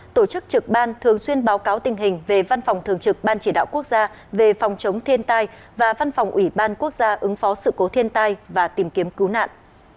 tổ chức trực ban thường xuyên báo cáo tình hình về văn phòng thường trực ban chỉ đạo quốc gia về phòng chống thiên tai và văn phòng ủy ban quốc gia ứng phó sự cố thiên tai và tìm kiếm cứu nạn